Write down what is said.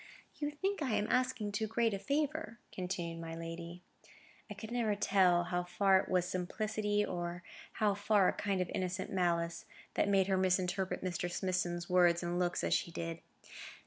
"You think I am asking too great a favour," continued my lady. (I never could tell how far it was simplicity, or how far a kind of innocent malice, that made her misinterpret Mr. Smithson's words and looks as she did.)